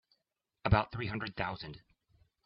About three hundred thousand.